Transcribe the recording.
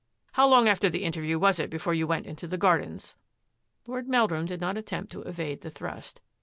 " How long after the interview was it before you went into the gardens ?" Lord Meldrum did not attempt to evade the thrust.